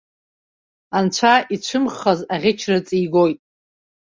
Анцәа ицәымӷхаз аӷьычра ҵигоит.